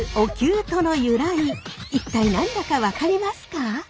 一体何だか分かりますか？